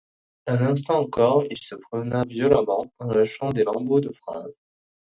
Un instant encore, il se promena violemment, en lâchant des lambeaux de phrase.